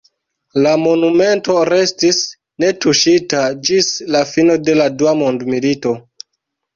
La monumento restis netuŝita ĝis la fino de la Dua mondmilito.